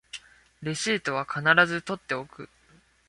レシートは必ず取っておく